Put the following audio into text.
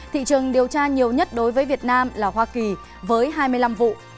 thị trường điều tra nhiều nhất đối với việt nam là hoa kỳ với hai mươi năm vụ